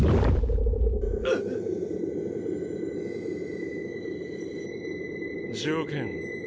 うっ⁉条件